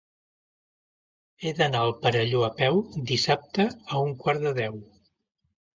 He d'anar al Perelló a peu dissabte a un quart de deu.